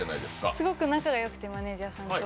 すごく仲がよくてマネージャーさんと。